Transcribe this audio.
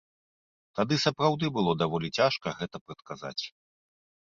Тады сапраўды было даволі цяжка гэта прадказаць.